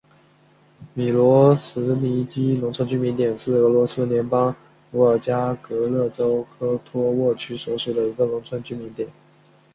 米罗什尼基农村居民点是俄罗斯联邦伏尔加格勒州科托沃区所属的一个农村居民点。